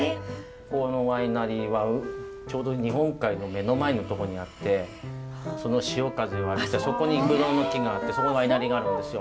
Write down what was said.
このワイナリーはちょうど日本海の目の前のとこにあってその潮風を浴びたそこにぶどうの木があってそこにワイナリーがあるんですよ。